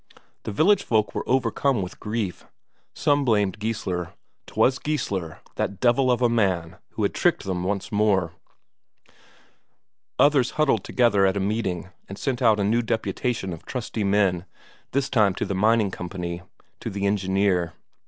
The village folk were overcome with grief. Some blamed Geissler; 'twas Geissler, that devil of a man, who had tricked them once more. Others huddled together at a meeting and sent out a new deputation of trusty men, this time to the mining company, to the engineer.